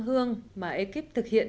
hương mà ekip thực hiện